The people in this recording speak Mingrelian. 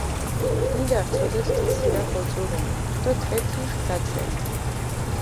მიდართჷ სოდეთ თი ცირაქ ოწურუნი დო თექი გაჩენდჷ.